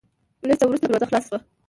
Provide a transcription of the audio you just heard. لېږ څه ورورسته دروازه خلاصه شوه،